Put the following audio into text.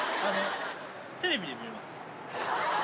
テレビで見れます。